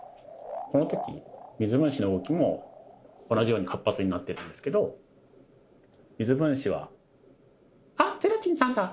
この時水分子の動きも同じように活発になってるんですけど水分子はあら！